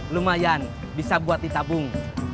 lumayan bisa buat ditabung